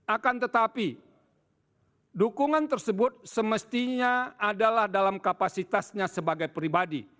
akan tetapi dukungan tersebut semestinya adalah dalam kapasitasnya sebagai pribadi